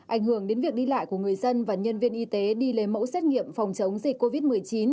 ảnh hưởng đến việc đi lại của người dân và nhân viên y tế đi lấy mẫu xét nghiệm phòng chống dịch covid một mươi chín